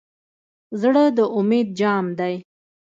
زړه د امید جام دی.